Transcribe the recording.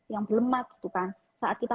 yang berlemak saat kita